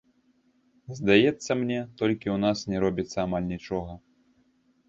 Здаецца мне, толькі ў нас не робіцца амаль нічога.